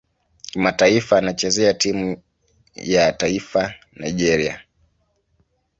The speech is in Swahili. Kimataifa anachezea timu ya taifa Nigeria.